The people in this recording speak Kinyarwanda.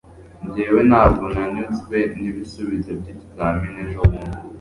Njyewe ntabwo nanyuzwe nibisubizo byikizamini ejobundi